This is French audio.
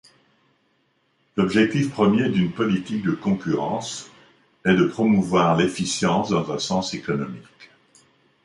L’objectif premier d’une politique de concurrence est de promouvoir l’efficience dans un sens économique.